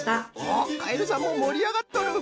おっカエルさんももりあがっとる！